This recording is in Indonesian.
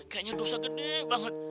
kayaknya dosa gede banget